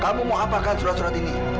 kamu mau apakan surat surat ini